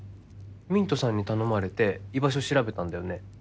ミントさんに頼まれて居場所調べたんだよね。